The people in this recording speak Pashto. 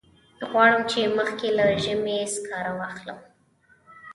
غواړم چې مخکې له ژمي سکاره واخلم.